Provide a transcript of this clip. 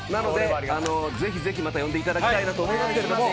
ぜひぜひまた呼んでいただきたいなと思いますけれども。